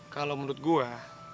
kalau menurut gue